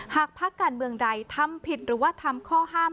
พักการเมืองใดทำผิดหรือว่าทำข้อห้าม